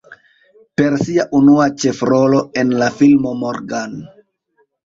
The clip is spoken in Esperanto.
Per sia unua ĉefrolo en la filmo "Morgan.